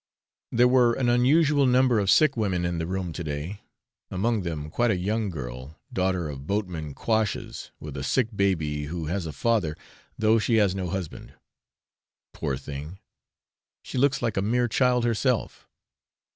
There were an unusual number of sick women in the room to day; among them quite a young girl, daughter of Boatman Quash's, with a sick baby, who has a father, though she has no husband. Poor thing! she looks like a mere child herself.